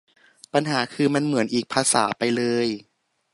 ปัญหาคือ มันเหมือนอีกภาษาไปเลย